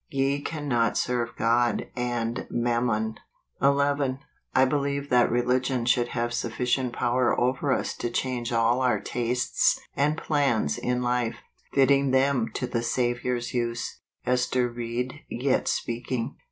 Ye cannot serve God and mammon." 11. I believe that religion should have sufficient power over us to change all our tastes and plans in life, fitting them to the Saviour's use. Ester Ried Yet Speaking.